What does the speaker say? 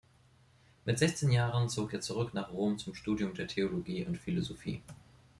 Mit sechzehn Jahren zog er zurück nach Rom zum Studium der Theologie und Philosophie.